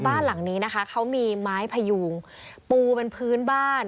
บ้านหลังนี้นะคะเขามีไม้พยูงปูเป็นพื้นบ้าน